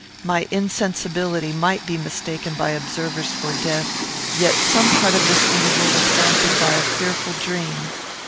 My insensibility might be mistaken by observers for death, yet some part of this interval was haunted by a fearful dream.